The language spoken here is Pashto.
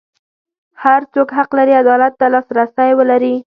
هر څوک حق لري عدالت ته لاسرسی ولري.